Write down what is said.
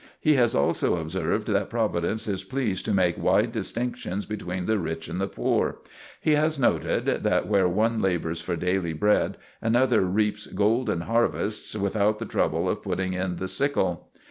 He has also observed that Providence is pleased to make wide distinctions between the rich and the poor; he has noted that where one labors for daily bread another reaps golden harvests without the trouble of putting in the sickle.